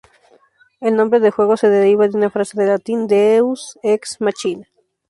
El nombre del juego se deriva de una frase del latín, "deus ex machina".